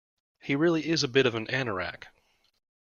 He really is a bit of an anorak